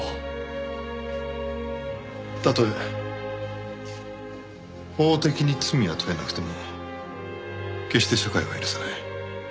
たとえ法的に罪は問えなくても決して社会は許さない。